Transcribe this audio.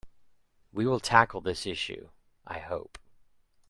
We will tackle this issue, I hope.